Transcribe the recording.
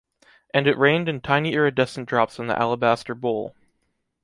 And it rained in tiny iridescent drops on the alabaster bowl.